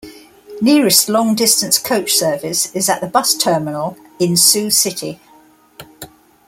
Nearest long distance coach service is at the bus terminal in Sioux City.